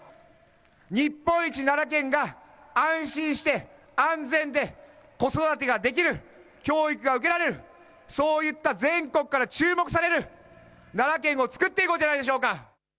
日本一奈良県が安心して安全で子育てができる、教育が受けられる、そういった全国から注目される奈良県をつくっていこうじゃないでしょうか。